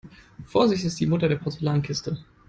Vorsicht ist die Mutter der Porzellankiste.